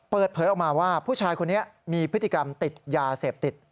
เปิดเผยออกมาว่าผู้ชายคนนี้มีพฤติกรรมติดยาเสพติด